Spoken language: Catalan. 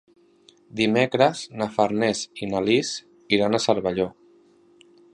Dimecres na Farners i na Lis iran a Cervelló.